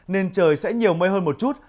nên trời sẽ nhiều mây hơn một chút